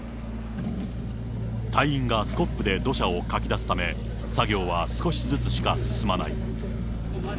隊員がスコップで土砂をかき出すため、作業は少しずつしか進まない。